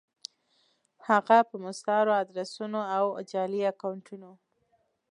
هفه په مستعارو ادرسونو او جعلي اکونټونو